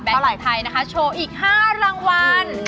แบทไทยนะคะโชว์อีก๕รางวัล